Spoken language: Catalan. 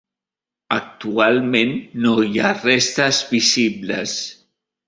Actualment no hi ha restes visibles.